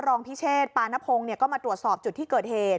รองพิเชษปานพงศ์ก็มาตรวจสอบจุดที่เกิดเหตุ